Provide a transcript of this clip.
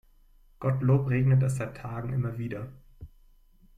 Gottlob regnet es seit Tagen immer wieder.